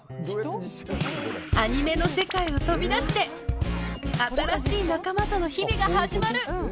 アニメの世界を飛び出して新しい仲間との日々が始まる。